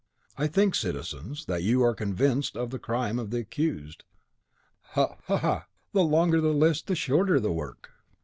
(I think, citizens, that you are convinced of the crime of the accused.) Ha! ha! the longer the list, the shorter the work."